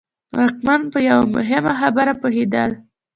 واکمن په یوه مهمه خبره پوهېدل.